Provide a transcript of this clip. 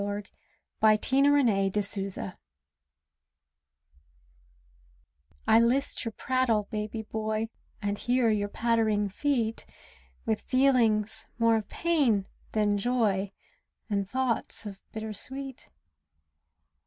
TO ANOTHER WOMAN'S BABY I list your prattle, baby boy, And hear your pattering feet With feelings more of pain than joy And thoughts of bitter sweet.